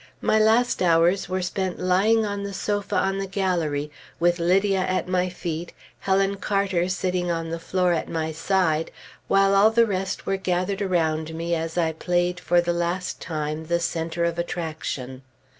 My last hours were spent lying on the sofa on the gallery, with Lydia at my feet, Helen Carter sitting on the floor at my side, while all the rest were gathered around me as I played for the last time "the centre of attraction."